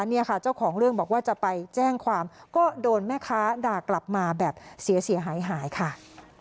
เนี่ยค่ะเจ้าของเรื่องบอกว่าจะไปแจ้งความก็โดนแม่ค้าด่ากลับมาแบบเสียหายหายค่ะ